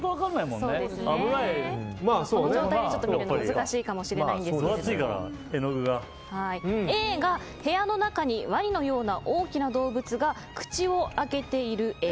この状態で見るのは難しいと思うんですがＡが部屋の中にワニのような大きな動物が口を開けている絵。